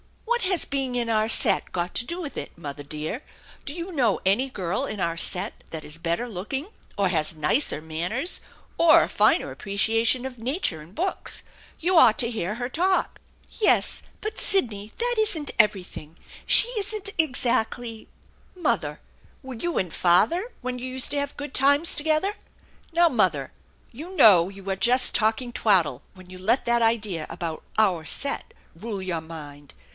" What has being in our set got to do with it, mother dear ? Do you know any girl in our set that is better looking or has nicer manners, or a finer appreciation of nature and books? You ought to hear her talk !" "Yes, but, Sidney, that isn't everything! She isn't exactly " "Mother, were you and father, when you used to have good times together? Now, mother, you know you are just THE ENCHANTED BARN 167 talking twaddle when you let that idea about ' our set ' rule your mind.